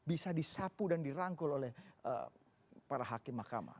bisa disapu dan dirangkul oleh para hakim mahkamah